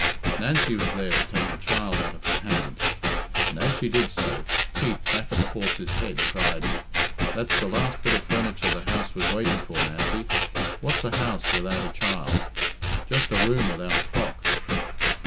Nancy was there to take the child out of her hands, and, as she did so, Pete, back at the horse's head, cried, "That's the last bit of furniture the house was waiting for, Nancy. What's a house without a child? Just a room without a clock."